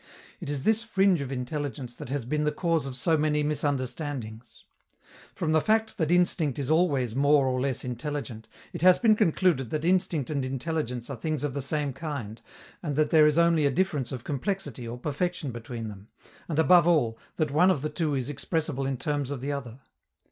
It is this fringe of intelligence that has been the cause of so many misunderstandings. From the fact that instinct is always more or less intelligent, it has been concluded that instinct and intelligence are things of the same kind, that there is only a difference of complexity or perfection between them, and, above all, that one of the two is expressible in terms of the other.